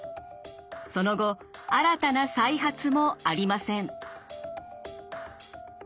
その後新たな再発もありません。